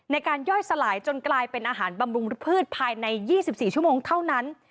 ย่อยสลายจนกลายเป็นอาหารบำรุงพืชภายใน๒๔ชั่วโมงเท่านั้น